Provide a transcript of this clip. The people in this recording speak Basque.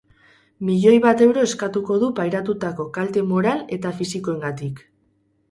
Milioi bat euro eskatuko du pairatutako kalte moral eta fisikoengatik.